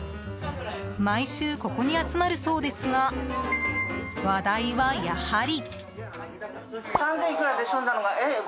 毎週ここに集まるそうですが話題はやはり。